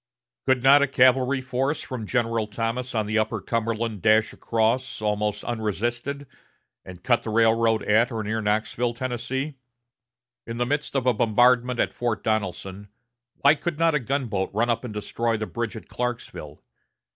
Could not a cavalry force from General Thomas on the upper Cumberland dash across, almost unresisted, and cut the railroad at or near Knoxville, Tennessee? In the midst of a bombardment at Fort Donelson, why could not a gunboat run up and destroy the bridge at Clarksville?